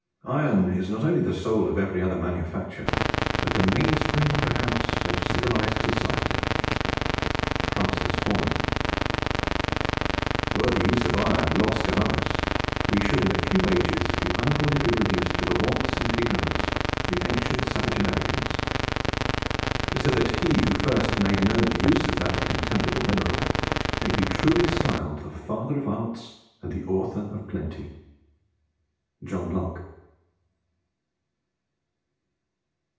"Iron is not only the soul of every other manufacture, but the main spring perhaps of civilized society." FRANCIS HORNER. "Were the use of iron lost among us, we should in a few ages be unavoidably reduced to the wants and ignorance of the ancient savage Americans; so that he who first made known the use of that contemptible mineral may be truly styled the father of Arts and the author of Plenty." JOHN LOCKE.